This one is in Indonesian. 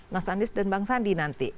mas anies dan bang sandi nanti